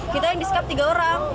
kita yang disekap tiga orang